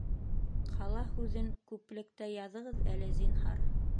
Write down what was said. Ҡала һүҙен күплектә яҙығыҙ әле, зинһар